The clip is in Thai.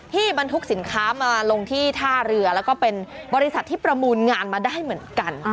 บรรทุกสินค้ามาลงที่ท่าเรือแล้วก็เป็นบริษัทที่ประมูลงานมาได้เหมือนกัน